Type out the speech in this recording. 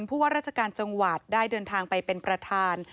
ว่าราชการจังหวัดได้เดินทางไปเป็นประธาน